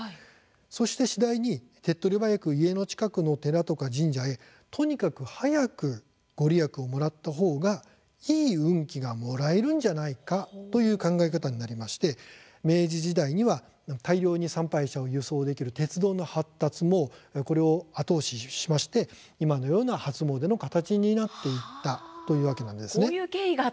そして次第に手っ取り早く家の近くの寺とか神社にとにかく早くご利益をもらったほうがいい運気がもらえるのではないかという考え方になりまして明治時代には大量に参拝者を輸送できる鉄道の発達もこれを後押ししまして今のような初詣の形になっていったというわけなんですね。